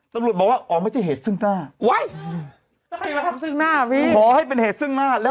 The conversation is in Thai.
ตำรวจบอกว่าอ๋อไม่ใช่เหตุซึ่งหน้าใครมาทำซึ่งหน้าพี่ขอให้เป็นเหตุซึ่งหน้าแล้ว